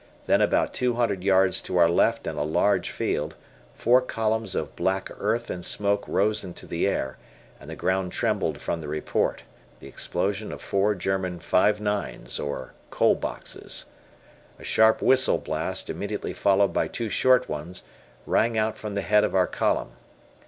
Then about two hundred yards to our left in a large field, four columns of black earth and smoke rose into the air, and the ground trembled from the report, the explosion of four German five nine's, or "coal boxes." A sharp whistle blast, immediately followed by two short ones, rang out from the head of our column.